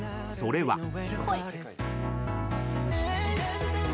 ［それは］